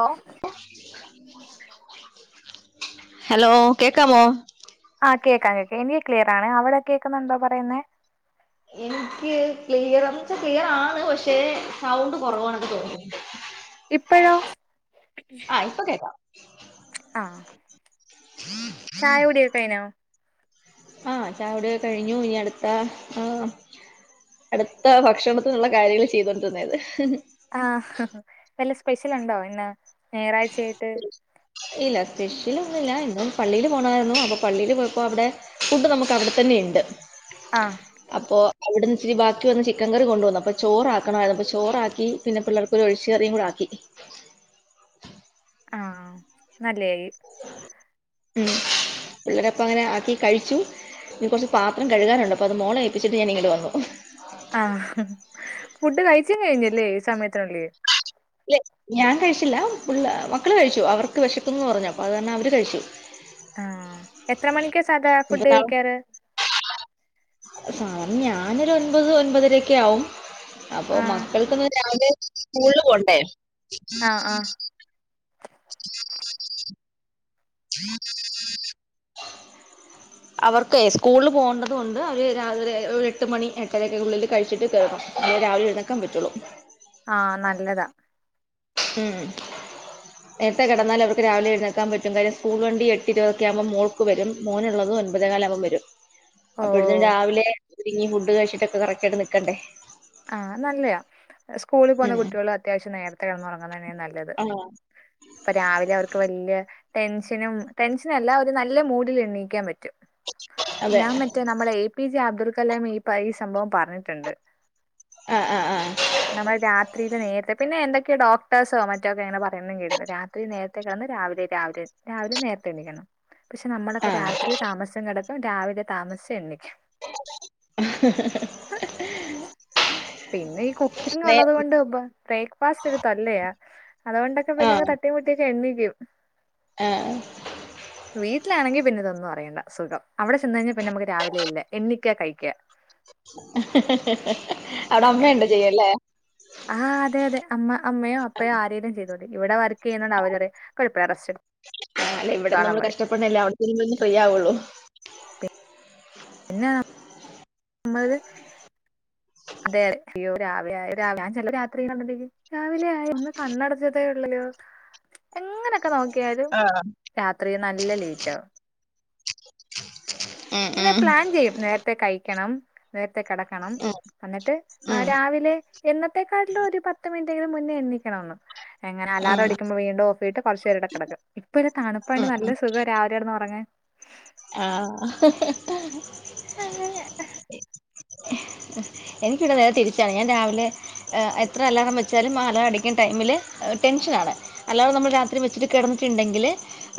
ഓ കേൾക്കുന്നുണ്ടോ? ഹലോ കേക്കാമോ? ആ കേക്കാം കേക്കാം എനിക്ക് ക്ലിയർ ആണ് അവിടെ കേക്കുന്നുണ്ടോ പറയുന്നേ എനിക്ക് ക്ലിയർന്ന് വച്ചാ ക്ലിയർ ആണ് പക്ഷെ സൗണ്ട് കുറവാണ് തോന്നി. ഇപ്പഴോ? ആഹ് ഇപ്പൊ കേക്കാം. ആ [unintelligible] ചായ കുടിയൊക്കെകഴിഞ്ഞോ? ആ ചായകുടിയൊക്കെ കഴിഞ്ഞു ഇനി അടുത്ത ആ അടുത്ത ഭക്ഷണത്തിനുള്ള കാര്യങ്ങൾ ചെയ്തോണ്ടിരന്നത് ആഹ വല്ല സ്പെഷ്യൽ ഇണ്ടോ ഇന്ന് ഞായറാഴ്ചയിട്ട് ഇല്ല സ്പെഷ്യൽ ഒന്നുല്ല ഇന്ന് പള്ളിയില് പോണായിരുന്നു അപ്പൊ പള്ളിയില് പോയപ്പോ അവിടെ ഫുഡ് നമുക്കവിടെത്തന്നെ ഇണ്ട്. ആ അപ്പോ അവിടുന്ന് ഇച്ചിരി ബാക്കി വന്ന ചിക്കൻ കറി കൊണ്ട് വന്നു അപ്പൊ ചോറാക്കണമായിരുന്നു അപ്പൊ ചോറാക്കി പിന്നെ പിള്ളേർ ഒരു ഒഴിച്ച് കറിയുംകൂടി ആക്കി ആഹ നല്ലയായി. ഉം പിള്ളേരപ്പം അങ്ങനെ ആക്കി കഴിച്ചു. ഇനി കുറച്ച് പാത്രം കഴുകാനുണ്ട് അപ്പോ അത് മോളെ ഏപ്പിച്ചിട്ട് ഞാനിങ്ങട്ട് വന്നു. ആഹ ഫുഡ് കഴിച്ചും കഴിഞ്ഞല്ലേ ഈ സമയത്തിനുള്ളില് ല്ല ഞാൻ കഴിച്ചില്ല പുള്ളാ മക്കള് കഴിച്ചു അവർക്ക് വിശക്കുന്നുന്ന് പറഞ്ഞു അപ്പൊ അത് കാരണം അവര് കഴിച്ചു. ആഹ എത്ര മണിക്ക സാധാ ഇനിപ്പ ഫുഡ് നാളെ കഴിക്കാറ്? സാധാരണ ഞാനൊരു ഒൻപത് ഒൻപതരക്കെ ആവും. അപ്പൊ ആ മക്കൾക്കൊന്നും രാവിലെ സ്കൂളിൽ പോണ്ടേ. ആ ആ [unintelligible] അവർക്കെ സ്കൂളിൽ പോകേണ്ടത് കൊണ്ട് അവര് രാവിലെ ഒരു എട്ട് മണി എട്ടരൊക്കെ ഉള്ളിൽ കഴിച്ചിട്ട് കയറും. എന്നാലെ രാവിലെ എഴുന്നേക്കാൻ പറ്റുള്ളൂ. ആഹ നല്ലതാ. ഹം നേരത്തെ കിടന്നാൽ അവർക്ക് രാവിലെ എഴുന്നേക്കാൻ പറ്റും കാര്യം സ്കൂൾ വണ്ടി എട്ടെ ഇരുപതൊക്കെ ആകുമ്പോ മോൾ ക്ക് വരും മോനുള്ളത് ഒൻപതേ കാലാകുമ്പോ വരും. ഓ അപ്പോഴത്തിന്‌ രാവിലെ ഒരുങ്ങി ഫുഡ് കഴിച്ചിട്ടൊക്കെ കറക്റ്റ് ആയിട്ട് നിക്കണ്ടേ. ആഹ് നല്ലെയ സ്കൂളി പോകുന്ന ഉം കുട്ടികൾ അത്യാവശ്യം നേരത്തെ കിടന്നുറങ്ങുന്നെതന്നെയാണ് നല്ലത്. ആണോ? ഇപ്പൊ രാവിലെ അവർക്ക് വല്യ ടെൻഷനും ടെൻഷനല്ല ഒരു നല്ല മൂഡിൽ എണീയ്ക്കാൻ പറ്റും. അതെ ഞാൻ മറ്റേ നമ്മളെ A P J Abdul Kalam ഈ ഈ സംഭവം പറഞ്ഞിട്ടുണ്ട്. ആ ആ നമ്മൾ രാത്രിയിയില് നേരത്തെ പിന്നെ എന്തക്കെയോ ഡോക്ടഴ്സോ മറ്റോക്കെങ്ങനെ പറയുന്നും കേട്ടിട്ട് രാത്രി നേര ത്തേ കിടന്ന് രാവിലെ രാവിലെ രാവിലെ നേരത്തെ എണിക്കണം. പക്ഷെ നമ്മളൊക്കെ ആഹ് രാത്രി താമസിച്ചും കിടക്കും രാവിലെ താമസിച്ച് എണീക്കും. പിന്നെ ഈ കുക്കിംഗ് നേ ഉള്ളത് കൊണ്ട് ഉപ ബ്രേക്ക്ഫാസ്റ്റ് ഒരു തൊല്ലയാ അതുകൊണ്ടൊക്കെ പിന്നെ തട്ടി തട്ടിമുട്ടിയൊക്കെണ്ണിക്കും. ആ വീട്ടിലാണെങ്കി പിന്നെ ഇതൊന്നും അറിയേണ്ട സുഖം അവിടെ ചെന്ന് കഴിഞ്ഞാൽ പിന്നെ നമുക്ക് രാവിലെ ഇല്ല എണ്ണിക്കാ കഴിക്കാ. അവിടെ അമ്മ ഉണ്ട് ചെയ്യല്ലേ. ആഹ് അതെ അതെ അമ്മമ്മ അമ്മയോ അപ്പയോ ആരേങ്കും ചെയ്തോതി ഇവിടെ വർക്ക് ചെയ്യുന്നുണ്ട് അവര്പറയും കുഴപ്പമില്ല പോയി റസ്റ്റ്‌ എടുത്തോ ആ അല്ലെ ഇവിടെന്ന് നമ്മള് കഷ്ടപെടണില്ലേ അവിടത്തെരു ഒന്ന് ഫ്രീ ആവുള്ളൂ. പിന്നെയ [unintelligible] രാവിലെയയി ഒന്ന് കണ്ണടച്ചതേ ഉള്ളലോ എങ്ങനെയൊക്കെ നോക്കി നോക്കിയാലും ആഹ് രാത്രി നല്ല ലേറ്റ് ആകും ഉം ഇങ്ങനെ ഉം പ്ലാൻ ചെയ്യും നേരത്തെ കഴിക്കണം നേരത്തെേ കിടക്കണം ഉം എന്നിട്ട് ഉം രാവിലെ എന്നത്തെേക്കാട്ടിൽ ഒരു പത്ത് മിനിറ്റ് മുന്നേ എണ്ണിക്കണന്ന് എങ്ങനെ ഉം അാലാറം അടിക്കുമ്പോ വീണ്ടും ഓഫീട്ട് കുറച്ചേടെടെ കിടക്കും ഇപ്പ ഇല്ല തണുപ്പായിട്ട് ഉം നല്ല സുഖം രാവില കിടന്ന് ഉറങ്ങാൻ ആ അങ്ങനെ അഹ എനിക്കിവിടെ നേരെ തിരിച്ചാണ് ഞാൻ രാവിലെ എത്ര അല്ലാറം വെച്ചാലും മാല അടിക്കുന്ന ടൈമില് ടെൻഷനാണ് അല്ലാറം നമ്മൾ രാത്രി വെച്ചിട്ട് കിടന്നിട്ടുണ്ടെങ്കില്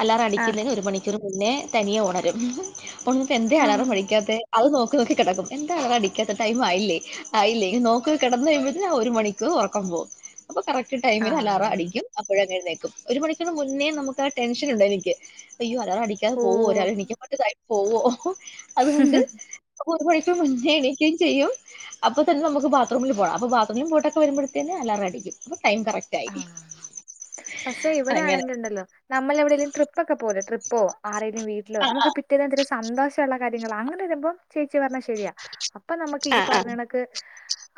അലാറം ആഹ് അടിക്കുന്നതിന് ഒരു മണിക്കൂർ മുന്നേ തനിയെ ഒണരും ഉണർന്ന്ട്ട് എന്തേ ആം അലാറം അടിക്കാതെ അത് നോക്കി നോക്കിടക്കും എന്ത അ അടിക്കാത്ത ആയില്ലെ ആയില്ല ഇ നോക്ക കിടന്ന കഴുമ്പോഴത്തേ ഒരു മണിക്കൂർ ഉറക്കം പോവും അപ്പൊ കറക്റ്റ് ടൈമിൽ അലാറം ആഹ് അടിക്കും അപ്പോഴ അങ്ങെഴുന്നേക്കും ഒരു മണിക്കൂന് മുന്നേ നമുക്ക് ആ ടെൻഷൻ ഉണ്ട് എനിക്ക് അയ്യോ അലാറം അടിക്കാതെ പോവോ രാവിലെ ഓഹ് എണീക്കാൻ ടൈം പോവോ അതുകൊണ്ട് അപ്പോയെക്കും [unintelligible] ഞ്ചു എണീക്കെ ചെയ്യും അപ്പൊതെന്നെ നമ്മുക്ക് ബാത്റൂമിൽ പോണം അപ്പൊ ബാത്‌റൂമിൽ പോയിട്ടൊക്കെ വരുമ്പോഴതേന്ന് അലാറടിക്കും അപ്പൊ ടൈം കറക്റ്റ് ആയി ആഹ പക്ഷെ ഇവിടെ അങ്ങനെ ആണെങ്കിൽ ഉണ്ടല്ലോ നമ്മളെ എവിടേലും ട്രിപ്പൊക്കെ പോവുലെ ട്രിപ്പോ ആരേലും വീടിലോ നമ്മുക്കൊക്കെ മറ്റേന്തരി സന്തോഷമുള്ള കാര്യങ്ങൾ അങ്ങനെ വരുമ്പോൾ ചേച്ചി പറഞ്ഞാൽ ശരിയാ അപ്പൊ നമുക്ക് ഈ ആ ആ പറഞ്ഞ ക്ക്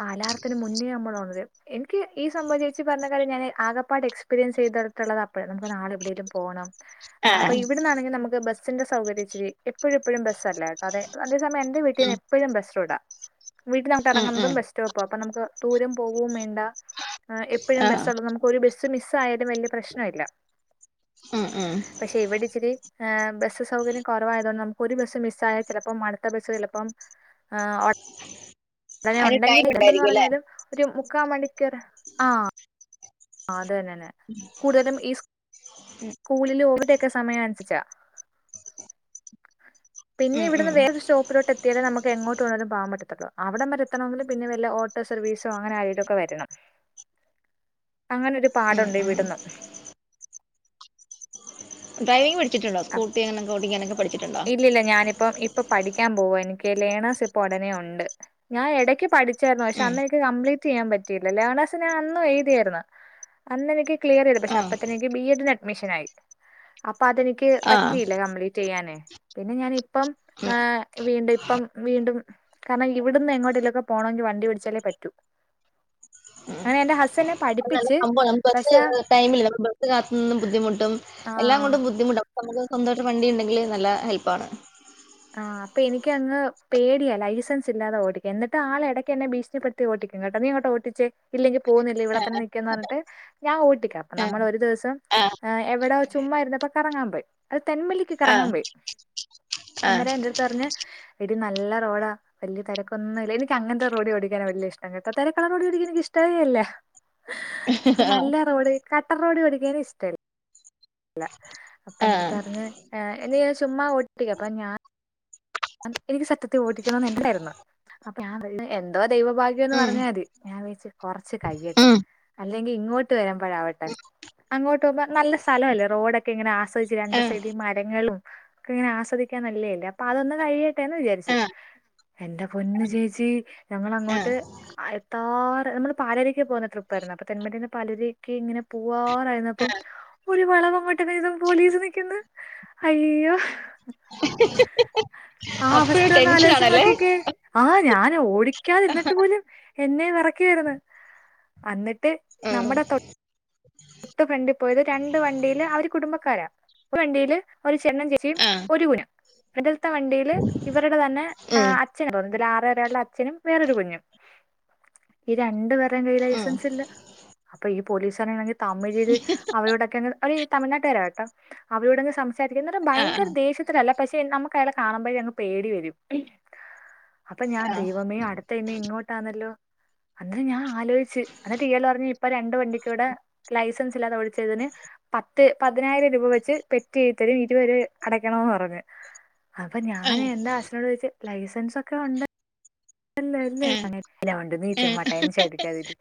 ആലാറത്തിന് മുന്നേ നമ്മള് ഒണരും എനിക്ക് ഈ സംബവം ച്ചോ ഇജ്ജ് പറഞ്ഞ കാര്യം ഞാൻ ആക പാടേ എക്സ്പീരിയൻസ് ചെയ്തിട്ടുള്ളത് അപ്പോ നമ്മ നാളെവിടെെലും പോകണം ആ ആ് അപ്പ ഇവിടുന്നാണെങ്കിൽ നമുക്ക് ബസ്സിന്റെ സൗകര്യംച്ചിരി എപ്പോഴും എപ്പോഴും ബസ്സല്ല അതെ അതേസമയം എന്റെ വീട്ടീ ഉം, എപ്പോഴും ബസ്റ്റ്റുട വീട്ടിൽ നമുക്ക് ഉം, ഉം, ഇറങ്ങുന്നതും ബെസ് റ്റ അപ്പ നമുക്ക് ദൂരം പോകവും വേണ്ട എപ്പോഴും ആ, ബസ്സ ഉള്ളത് നമുക്ക് ഒരു ബസ്സ് മിസ് ആയാലും വലിയ പ്രശ്ന ഇല്ല ഉ ഉം പക്ഷെ ഇവിടെ ഇച്ചിരി ബസ്സ് സൗകര്യം കുറവായതുകൊണ്ട് നമുക്ക് ഒരു ബസ്സ് മിസ് ആായ ചിലപ്പം അടുത്ത ബസ്സ് ചിലപ്പം ആഹ അങ്ങനെ അതിന് ഉണ്ടെങ്കി ടൈം ഇലെന്ന് ഉണ്ടായിരിക്കും അല്ലേ പറഞ്ഞാലും ഒരു മുക്കാ മണിക്കൂർ ആഹ് ആ അത്തന്നെ തന്നെ കൂടുതലും ഈ സു സ്കൂളിൽ ഓവിടെക്കെ സമയം അനുസരിച്ചാ പിന്നെ ഉം, ഉം, ഇവിടുന്ന് വേറെരുഷോപ്പിലോട്ട എത്തി ത്യാല നുക്ക് എങ്ങോട്ട് വെണ്ണേലും പോവാൻ പറ്റതൊള്ളൂ അവിടം വരെ എത്തണെങ്കിൽ പിന്ന വല്ല ഓട്ടോ സർവീസോങ്ങനെ ആരെ ല്ലോക്കെ വരണം അങ്ങനെ ഒരു ഉം, പാടുണ്ട് ഉം. വിടന്ന് ഡ്രൈവിങ് പഠിച്ചിുണ്ടോ സ്കുട്ടി അങ്ങനെോട്ടിങ്ങനക്കെ പഠിച്ചിട്ടുണ്ടോ ഇല്ലില്ല ഞാനിപ്പ ഇപ്പൊ പഠിക്കാൻ പോവോ എനിക്ക് ലേണേസ് ഇപ്പൊ ഉടനെ ഉണ്ട് ഞാഎടക്ക് പഠിച്ചായിരുന്നു പക്ഷെ ഉം, അന്നെനിക്ക് കംപ്ലീറ്റ് ചെയ്യാൻ പറ്റിയില്ല ലേണസ് ഞാ അന്ന് എഴുതിയായിരുന്നു അന്നെനിക്ക് ക്ലിയർ ചെയ്ത പക്ഷ ആ, അപ്പത്ത എനിക്ക് ബി എഡിന് അഡ്മിഷൻ ആയി അപ്പൊ അതെനിക്ക് ആ. പറ്റിയില്ല കംപ്ലീറ്റ് ചെയ്യാനേ പിന്നെ ഞാന് ഇപ്പം ഏഹ വീണ്ടും ഇപ്പം വീണ്ടും കാരണം ഇവിടുന്ന് എങ്ങോട്ടലൊക്കെ പോണമെങ്കിൽ വണ്ടി പിടിച്ചാലേ പറ്റൂ അങ്ങനെ എൻ്റെ ഹസ് അത് നല്ല സംഭവാണ് നമ്മുക്ക് പക്ഷേ ടൈമില്ല ബസ് കാത്ത് നിന്ന് ബുദ്ധിമുട്ടും എല്ലാം ആ കൊണ്ടും ബുദ്ധിമുട്ടാ നമുക്ക് സ്വന്തമായിട്ട് വണ്ടി ഉണ്ടെങ്കിൽ നല്ല ഹെൽപ്പ് ആണ് ആഹ് അപ്പൊ എനിക്കങ്ങ് പേടിയാ ലൈസൻസ് ഇല്ലാതെ ഓടിക്കാൻ എന്നിട്ട് ആളെ ഇടെയ്ക്കെന്നെ ഭീഷണിപ്പെടു ട്ട് ഓട്ടിക്കും കേട്ടൊ നീയെങ്ങോട്ട് ഓട്ടിച്ചെ ഇല്ലെങ്കി പോവുന്നിലെ ഇവിടെ തന്നെ നിക്ക്ന്ന് പറഞ്ഞിട്ട്. ഞാനോട്ടിക്ക നമ്മളൊരു ദിവസം ഏഹ് എവിടോ ചുമ്മായിരുന്നപ്പോ എവിടോ കറങ്ങാൻ പോയി. അത് തെന്മല്ലിക്ക് കറങ്ങാൻ പോയി അന്നേരം എന്റെടുത്ത് പറഞ്ഞു എടി നല്ല റോഡാ. വല്യ തെരക്കൊന്നുല്യ എനിക്കങ്ങനത്തെ റോടിഓടിക്കാന വല്യ ഇഷ്ടം കേട്ടൊ തെരക്കുള്ള റോഡി ഓടിക്കാൻ എനിക്ക്ഷ്ടമെയല്ല. അപ്പൊ നല്ല റോഡ് കട്ട റോഡി ഓടിക്കാനും ഇഷ്ടല്ല ല അപ്പൊ എന്റെട്ത്ത് പറഞ്ഞ് ആഹ് നീ അങ്ങ് ചുമ്മ ഓട്ടിക്ക് അപ്പൊ ഞാ എനിക്ക് സത്യത്തെ ഓട്ടിക്കണന്ന് ണ്ടാർന്ന്. ഞാൻ എന്തോ ദൈവ ഭാഗ്യോന്ന് പറഞ്ഞാതി ഞാൻ വച്ചു. കൊറച്ച് കഴിയട്ടെ അല്ലെങ്കി ഇങ്ങോട്ട് വരുമ്പഴാവട്ടെ. അങ്ങോട്ട് പോവുമ്പോ നല്ല സ്ഥലവല്ലേ റോഡൊക്കെ ഇങ്ങനെ ആസ്വദിച്ച് രണ്ടു സൈഡി മരങ്ങളും. ഇങ്ങനെ ആസ്വദിക്കാൻ നല്ലേയല്ലേ അപ്പൊ അതൊന്ന് കഴിയട്ടെന്ന് വിചാരിച്ച്. എന്റെറെ പൊന്ന് ചേച്ചി ഞങ്ങള് അങ്ങോട്ട്. എത്താറ് നമ്മള് പാലരക്ക് പോകുന്ന ട്രിപ്പായിരുന്ന് അപ്പൊ തെന്മരെന്ന് പാലരക്ക് ഇങ്ങനെ പോവാറായിരുന്നപ്പം. ഒരു വളവ് അങ്ങോട്ട് കഴിഞ്ഞപ്പോ പോലീസ് നിക്കുന്ന് അയ്യോ. [unintelligible] ആ അവസ്ഥ അപ്പോഴും ഒന്ന് ആലോചിച്ച് ടെൻഷനാണല്ലേ നോക്കിക്കേ ആഹ് ഞാൻ ഓടിക്കാതിരുന്നിട്ട് പോലും. എന്നെ വെറക്ക്യായിരുന്ന് എന്നിട്ട് ഉം നമ്മുടെ തൊ ട്ട് ഫ്രണ്ടിൽ പോയത് രണ്ട് വണ്ടിയില് അവര് കുടുംബക്കാരാ ഒരു വണ്ടിയില് ഒരു ചേട്ടനും ചേച്ചിയും ആഹ് ച്ചി ഒരു കുന ഫ്രണ്ടിത്തെ വണ്ടിൽ ഇവരുടെ തന്നെ ആഹ്. ഉം അച്ചനാ തോന്ന്ണ്ട്‌ ആറരയുള്ള അച്ഛനും വേറൊരു കുഞ്ഞും. ഈ രണ്ടു പേര്ടേം കയ്യില് ഉം ലൈസൻസ് ഇല്ല അപ്പൊ ഈ പോലീസനാണെങ്കി. തമിഴില് അവരോടൊക്കെങ്ങ് ഓരീ തമിഴ്നാട്ടുകാരാട്ടോ അവരോട് സം സാരിക്ക ഇന്നിട്ട് ആഹ് ഭയങ്കര ദേഷ്യത്തിലല്ല പക്ഷെ നമുക്ക് അയാളെ കാണുമ്പോഴെങ്ങ് പേടി വരും. അപ്പൊ ഞാൻ ആഹ് ദൈവമേ അടുത്തെനി ഇങ്ങോട്ടാന്നല്ലോ. അന്നേരം ഞാൻ ആലോയിച്ച് ഇന്നിട്ടയാള് പറഞ്ഞ് ഇപ്പൊ രണ്ട്‌വണ്ടിക്കൂടെ. ലൈസൻസ് ഇല്ലാതെ ഓടിച്ചതിന്. പത്ത് പതിനായിരം രൂപ വെച്ച് പെറ്റി എയിതി തെരും ഇരുവര് അടക്കണോന്ന് പറഞ്ഞ് അപ്പൊ ഞാൻ ആഹ് എന്റെ ഹസ്സിനോട് ചോയിച്ച് ലൈസൻസ് ഒക്കെ ഉണ്ട്. ണ്ടല്ലോ ലെ ആഹ് എലോണ്ട് നീ ചുമ്മാ ആഹ് ടെൻഷനടിക്കാതിരി.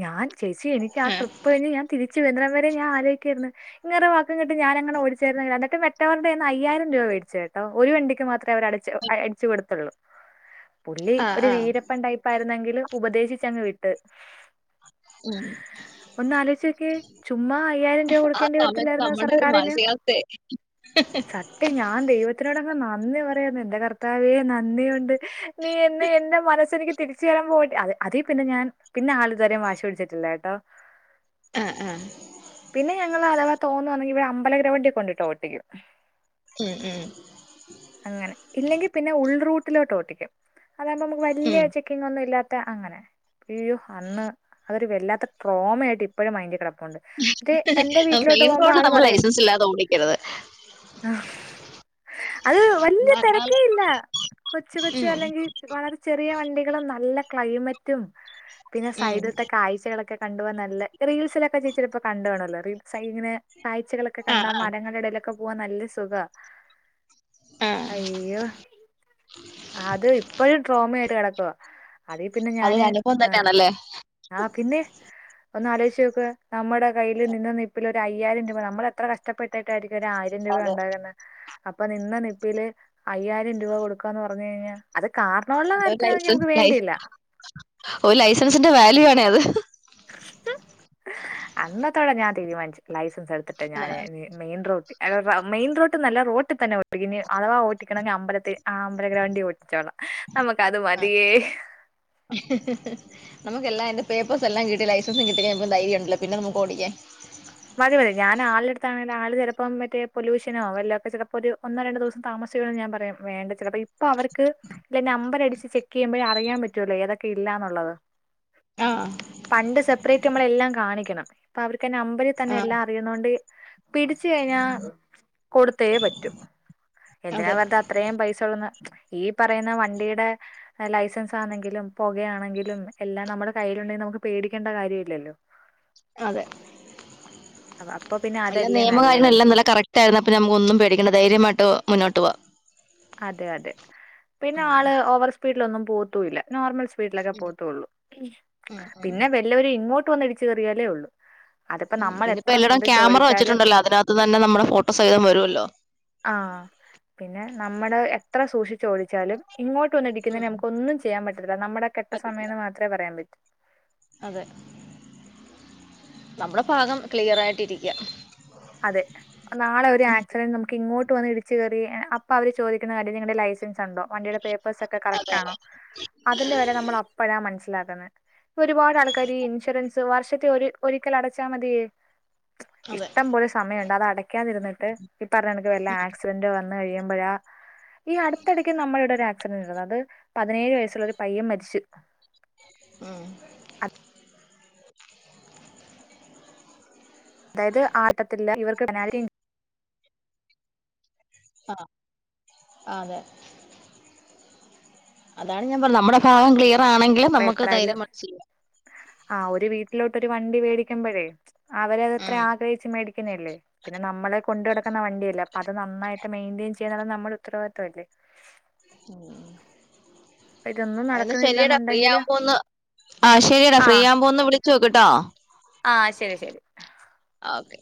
ഞാൻ ചേച്ചി എനിക്കാ ആഹ് ട്രിപ്പ് കയിഞ് ഞാൻ തിരിച്ച് വെരന്നെടം വരെ ഞാൻ ആലോയിക്കാര്ന്ന്. ഇങ്ങരെ വാക്കും കേട്ട് ഞാന് എങ്ങാനും ഓടിച്ചെരുന്നെങ്കിലോ എന്നിട്ട് മറ്റവരുടെേന്ന് അയ്യായിരം രൂപ മേടിച്ചെട്ടോ ഒരു വണ്ടിക്ക് മാത്രെ അവര് അടച്ചു. അടിച്ച് കൊടുത്തുള്ളൂ. പുള്ളി ആഹ് ഒരു ആഹ് വീരപ്പൻ ടൈപ്പായിരുന്നെങ്കിലും ഉപദേശിച്ചങ്ങ് വിട്ട്. ഉം. ഒന്നാലോയിച്ചോക്ക്യേ ചുമ്മ അയ്യായിരം രൂപ കൊടു ആ സമയത്ത് നമ്മടെ ഒരു മാനസികാവസ്ഥയെ. ട്ടേ ഞാൻ ദൈവത്തിനോട് അങ്ങ് നന്ദി പറയാർന്ന് എന്റെ കർത്താവേ നന്ദിയൊണ്ട്. നീ എന്ന് എന്റെ മനസ്സ എനിക്ക് തിരിച്ചരാൻ പോ അ അതെ പിന്നെ ഞാൻ. പിന്നെ ആളിത് വരേം വാശി പിടിച്ചിട്ടിലാട്ടോ. ആഹ് ആഹ്. പിന്നെ ഞങ്ങള അഥവാ തോന്നുവാണെങ്കിൽ ഇവിടെ അമ്പലഗ്രൗണ്ടിൽ കൊണ്ടിട്ടൊട്ടിക്കും. ഉം ഉം അങ്ങനെ ഇല്ലെങ്കിൽ പിന്നെ ഉൾ റൂട്ടിലോട്ട് ഓട്ടിക്കും. അതാവുമ്പോ നമുക് വല്യ ചെക്കിങ്ങൊന്നും ഇല്ലാത്ത അങ്ങനെ. അയോ അന്ന് അതൊരു വല്ലാത്ത ട്രോമയായിട്ട് ഇപ്പഴും മൈന്റി കെടപ്പുണ്ട്. ഇത് എന്റെ ഉം വീട്ടിലോട്ട് മെയിൻ പോവുമ്പോ റോഡിൽ ആള് നമ്മൾ പറയും. ലൈസൻസ് ഇല്ലാതെ ഓടിക്കരുത് ആഹ അത് വല്യ തെരക്കേ നമ്മളല്ലാതെ ഇല്ല കൊച്ച് കൊച്ച്. ഉം അല്ലെങ്കിൽ വളരെ ചെറിയ വണ്ടികളും നല്ല ക്ലൈമറ്റും. പിന്നെ ഉം സൈഡിൽത്തെ കാഴ്ചകളൊക്കെ. കണ്ടു പോവാൻ നല്ല റീൽസിലൊക്കെ ചേച്ചി ചെലപ്പോ കണ്ട് കാണുവല്ലോ റീൽസ് അയിൽ ഇങ്ങനെ കാഴ്ചകളൊക്കെ ഒക്കെ കണ്ടാ ആഹ് മരങ്ങളുടെ ഇടയിലൊക്കെ പോവാൻ നല്ല സുഖാ ആഹ് അയ്യോ. അത് ഇപ്പോഴും ട്രോമയായിട്ട് കിടക്കുവാ അതി പിന്നെ അതൊരു ഞാന് അനുഭവം ആഹ് തന്നെയാണല്ലേ ആഹ് പിന്നെ ഒന്ന് ആലോയിച്ച് നോക്ക് നമ്മുടെ കയ്യിൽ നിന്ന നിപ്പിൽ ഒരു അയ്യായിരം രൂപ നമ്മൾ എത്ര കഷ് കഷ്ട്ടപ്പെട്ടായിരിക്കും ഒരു ആയിരം രൂപ അതെ ഉണ്ടാകുന്നെ. അപ്പൊ നിന്ന നിപ്പില് അയ്യായിരം രൂപ കൊടുക്കാന്ന് പറഞ്ഞു കഴിഞ്ഞാ അത് കാർണമുള്ള കാര്യത്തിനാണെങ്കിൽ നമുക്ക് വേണ്ടിയില്ല. ഓ ലൈസൻസിന്റെ വാല്യു ആണേ അത്. അന്നത്തോടെ ഞാൻ തീരുമാനിച്ചു ലൈസൻസ് എടുത്തിട്ട് ഞാന് മെയിൻ റോട്ട് അ അ മെയിൻ റോട്ട്ന്നല്ല റോട്ടിൽ തന്നെ ഇനി അധവാ ഓട്ടിക്കണെങ്കിൽ അമ്പല ആഹ് അമ്പല ഗ്രൗണ്ടി ഓട്ടിച്ചോളാം നമ്മക്ക് അത് മതിയേ ആ നമുക്കേല്ലാ അയിന്റെ പേപ്പേഴ്സ് എല്ലാം കിട്ടി ലൈസൻസും കിട്ടി കഴിഞ്ഞാപ്പോ ധൈര്യം ഉണ്ടെല്ലോ പിന്നെ നമുക്ക് ഓടിക്കാൻ. മതി മതി ഞാൻ ആളുടെ അട്ത്താണെ ആള് ചിലപ്പോ മറ്റേ പൊലൂഷനോ വല്ലോക്കേ ചെലപ്പോ ഒരു ഒന്നോ രണ്ടു ദിവസം താമസി ച്ച് ഞാൻ പറയാ വേണ്ട ചിലപ്പോ ഇപ്പൊ അവർക്ക് ഇല്ല നമ്പരടിച്ച് ചെക്ക് ചെയ്യുമ്പോഴെ അറിയാൻ പറ്റുള്ളൂ ഏതൊക്കെ ഇല്ലാന്നുള്ളത്. ആഹ് പണ്ട് സെപ്പറേറ്റ് നമ്മൾ എല്ലാം കാണിക്കണം ഇപ്പ അവർക്ക് അന്നെ നമ്പറീ തന്നെ ആഹ് എല്ലാം അറിയുന്നോണ്ട് പിടിച്ച് കഴിഞ്ഞാ കൊടുത്തേ പറ്റൂ എന്തിനാ അതെ വേർ അത്രയും പൈസള്ളന്ന് ഈ പറയുന്ന വണ്ടിയുടെ ലൈസൻസ് ആണെങ്കിലും പുകയാണെങ്കിലും എല്ലാം നമ്മുടെ കയ്യിയിലുണ്ടെങ്കിൽ നമുക്ക് പേടിക്കേണ്ട കാര്യം ഇല്ലല്ലോ. അതെ. അ അപ്പൊ പിന്നെ അതല്ലേ നല്ലത്. ത്ത് അയിനാത്ത് നമുക്ക് ഒന്നും പേടിക്കണ്ട ധൈര്യമായിട്ട് മുന്നോട്ട് പോവാം. അതെ അതെ പിന്നെ ഉം ആള് ഓവർ സ്പീഡിലൊന്നും പോവത്തൂല്ല നോർമൽ സ് സ്പീഡിലൊക്കെ പോകത്തുള്ളൂ ഉം പിന്നെ വല്ലവരും ഇങ്ങോട്ട് വന്ന് ഇടിച്ച് കയറിയാലേ ഉള്ളു. ഉം പിന്നപ്പോ എല്ലോടോം ക്യാമറ ഓടിച്ചാലും വച്ചിട്ടുണ്ടല്ലോ അതിനാത്ത് തന്നെ നമ്മുടെ ഫോട്ടോ സഹിതം വരുവല്ലോ. ആഹ് പിന്നെ നമ്മടെ എത്ര സൂക്ഷിച്ചു ഓടിച്ചാലും ഇങ്ങോട്ട് വന്ന് ഉം ഇടിക്കുന്നതിനെ നമുക്ക് ഒന്നും ചെയ്യാൻ പറ്റത്തില്ല നമ്മുടെ കെട്ട സമയം പറ്റില്ല എന്ന് മാത്രേ പറയാൻ പറ്റൂ. അതെ നമ്മുടെ ഭാഗം ക്ലിയർ ആയിട്ടിരിക്കാ. അതെ. നാളെ ഒരു ആക്സിഡന്റ് നമുക്ക് ഇങ്ങോട്ട് വന്ന് ഇടിച്ചു കയറി അപ്പൊ അവര് ചോദിക്കുന്ന കാര്യം നിങ്ങളുടെ ലൈസൻസ് ഉണ്ടോ വണ്ടിയുടെ പേപ്പ പ്പേഴ്സ് ഒക്കെ കറക്റ്റാണോ അതിന്റെ വെല നമ്മൾ അപ്പോഴാ മനസ്സിലാക്കുന്നെ. ഒരുപാട് ആൾക്കാര് ഈ ഇൻഷുറൻസ് വർഷത്തെ ഒരു ഒരിക്കൽ അടച്ചാൽ മതിയേ. അതെ. ഇഷ്ടം പോലെ സമയുണ്ട് അത് അടക്കാതിരിന്നിട്ട് ഈ പറഞ്ഞാണക്കിന് വല്ല ആക്സിഡന്റ് വന്ന് കഴിയുമ്പഴാ ഈ അടുത്തിടക്ക് നമ്മളിവിടെ ഒരു ആക്സിഡന്റ് നടന്നു അത് പതിനേഴ് വയസ്സുള്ള ഒരു പയ്യൻ മരിച്ചു. ഉം അതായത് ആട്ടത്തില്ല ഇവർക്ക് ആഹ് ആഹ് അതെ. അതാണ് ഞാൻ പറഞ്ഞേ നമ്മുടെ ഭാഗം ക്ലിയർ ആണെ അപ്പ എത്രായാലും ആഹ് ഒരു വീട്ടിലോട്ട് ഒരു വണ്ടി വേടിക്കുമ്പോഴേ അവരെ അതത്ര ഉം ആഗ്രഹിച്ച് മേടിക്കുന്നല്ലേ പിന്നെ നമ്മളെ കൊണ്ട് നടക്കുന്ന വണ്ടിയല്ലേ. അത് നന്നായിട്ട് മെയിന്റെയിൻ ചെയ്യണത് നമ്മുടെ ഉത്തരവാദിത്തല്ലേ. ഇതൊന്നും എന്നാ നടക്കുന്നില്ല ശരിയെടാ ഫ്രീ ഫ്രീ എന്നുണ്ടെങ്കിൽ ആവുമ്പോന്ന് ആഹ് ശരിയടാ ആ ഫ്രീ ആവുമ്പോ ഒന്ന് വിളിച്ചു നോക്ക്ട്ടോ. ആ ശരി ശരി ഓക്കെ.